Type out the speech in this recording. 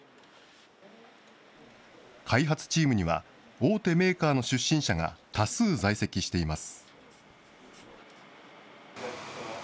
開発チームには大手メーカーの出身者が多数在籍しています。